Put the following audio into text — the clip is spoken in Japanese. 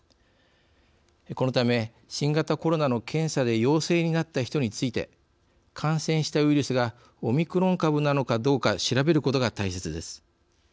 このため新型コロナの検査で陽性になった人について感染したウイルスがオミクロン株なのかどうか調べることが大切です。